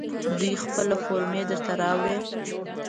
دوی خپله فورمې درته راوړي.